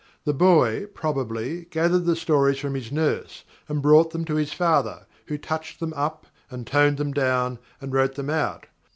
The boy, probably, gathered the stories from his nurse and brought them to his father, who touched them up, and toned them down, and wrote them out.